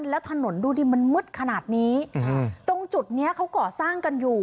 แล้วถนนดูดิมันมืดขนาดนี้ตรงจุดเนี้ยเขาก่อสร้างกันอยู่